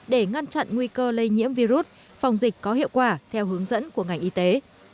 để ngăn chặn nguy cơ lây nhiễm virus phòng dịch có hiệu quả theo hướng dẫn của ngành y tế